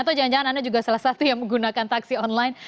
atau jangan jangan anda juga salah satu yang menggunakan taksi online